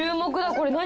これ何？